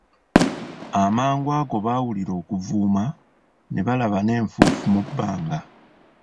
Amangu ago baawulira okuvuuma, ne balaba n'enfuufu mu bbanga.